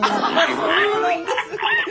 そうなんです。